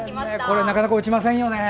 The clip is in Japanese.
これ、なかなか落ちませんよね？